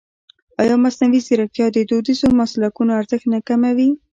ایا مصنوعي ځیرکتیا د دودیزو مسلکونو ارزښت نه کموي؟